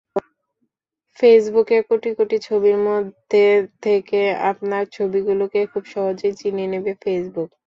ফেসবুকে কোটি কোটি ছবির মধ্যে থেকে আপনার ছবিগুলোকে খুব সহজেই চিনে নেবে ফেসবুক।